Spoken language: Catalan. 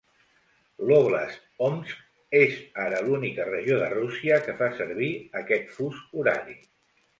L'óblast Omsk és ara l'única regió de Rússia que fa servir aquest fus horari.